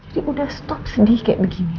kalau belum boleh dikubur di orang lain